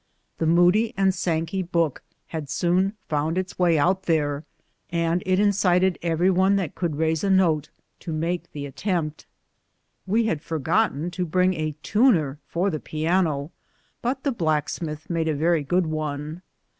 The Moody and Sankey book had soon found its way out there, and incited every one that could raise a note to make the attempt. We had for gotten to bring a tuner for the piano, but the black smith made a very good one.